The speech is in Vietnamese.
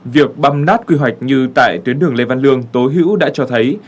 việc băm nát quy hoạch như tại tuyến đường lê văn lương tố hữu đã cho thấy